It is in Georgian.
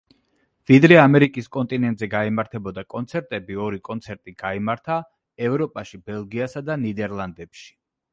ვიდრე ამერიკის კონტინენტზე გაიმართებოდა კონცერტები ორი კონცერტი გაიმართა ევროპაში ბელგიასა და ნიდერლანდებში.